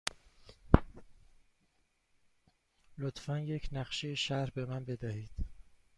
لطفاً یک نقشه شهر به من بدهید.